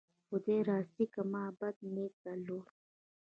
خدای راستي که ما بد نیت درلود.